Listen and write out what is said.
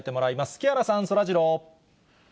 木原さん、そらジロー。